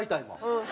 うん。